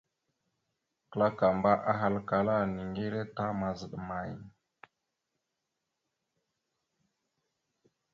Kǝlakamba ahalǝkala ya: « Niŋgire ta mazaɗ amay? ».